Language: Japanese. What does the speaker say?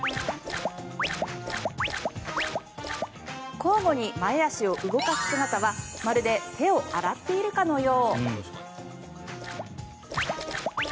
交互に前足を動かす姿はまるで手を洗っているかのよう。